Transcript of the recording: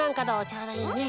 ちょうどいいね。